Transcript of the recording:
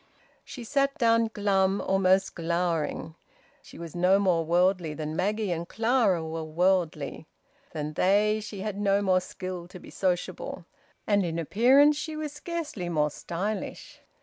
She sat down glum, almost glowering. She was no more worldly than Maggie and Clara were worldly. Than they, she had no more skill to be sociable. And in appearance she was scarcely more stylish.